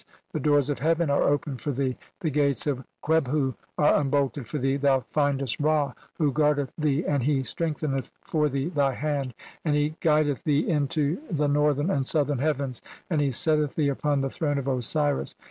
The doors of heaven are opened for thee, the "gates of Qebhu are unbolted for thee, thou findest "(12) Ra, who guardeth thee, and he strengtheneth "for thee thy hand, and he guideth thee into the "northern and southern heavens, (i3) and he setteth "thee upon the throne of Osiris.